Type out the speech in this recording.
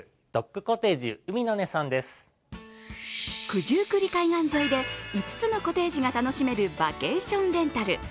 九十九里海岸沿いで５つのコテージが楽しめるバケーションレンタル。